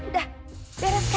udah beres kan